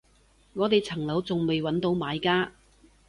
我哋層樓仲未搵到買家